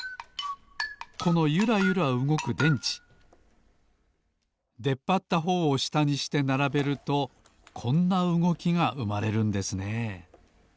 このゆらゆらうごく電池でっぱったほうをしたにしてならべるとこんなうごきがうまれるんですね